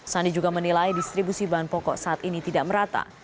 sandi juga menilai distribusi bahan pokok saat ini tidak merata